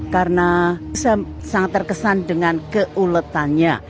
karena saya sangat terkesan dengan keuletannya